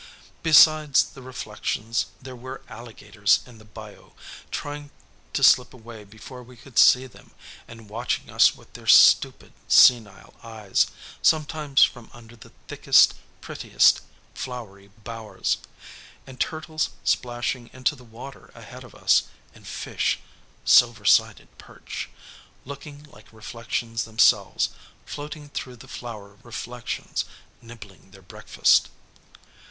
Besides the reflections, there were alligators in the bayou, trying to slip away before we could see them, and watching us with their stupid, senile eyes, sometimes from under the thickest, prettiest flowery bowers; and turtles splashing into the water ahead of us; and fish (silver sided perch), looking like reflections themselves, floating through the flower reflections, nibbling their breakfast.